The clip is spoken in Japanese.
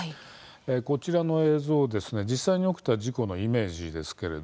こちらは実際に起きた事故のイメージ映像です。